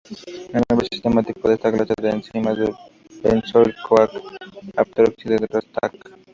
El nombre sistemático de esta clase de enzimas es benzoil-CoA:aceptor oxidorreductasa.